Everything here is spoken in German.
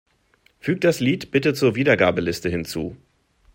Füg das Lied bitte zur Wiedergabeliste hinzu.